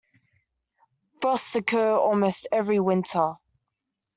Frosts occur almost every winter.